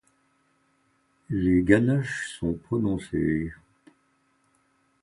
Les ganaches sont prononcées.